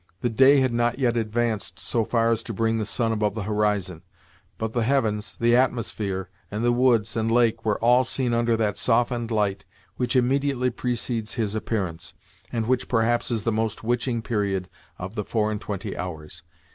The day had not yet advanced so far as to bring the sun above the horizon, but the heavens, the atmosphere, and the woods and lake were all seen under that softened light which immediately precedes his appearance, and which perhaps is the most witching period of the four and twenty hours.